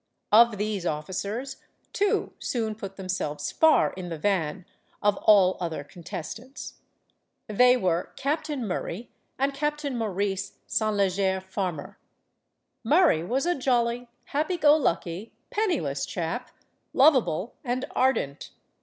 Of these officers, two soon put themselves far ir the van of all other contestants. They were Captain Mur "THE MOST GORGEOUS LADY BLESSINGTON" 207 ray and Captain Maurice St. Leger Farmer. Murray was a jolly, happy go lucky, penniless chap, lovable and ardent.